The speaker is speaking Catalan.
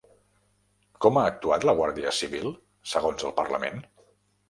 Com ha actuat la Guàrdia Civil segons el parlament?